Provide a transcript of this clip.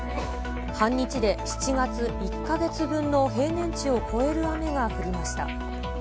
半日で７月１か月分の平年値を超える雨が降りました。